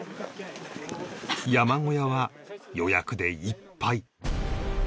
山小屋は予約でいっぱい